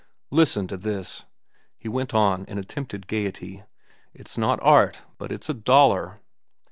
"Listen to this," he went on in attempted gayety. "It's not art, but it's a dollar.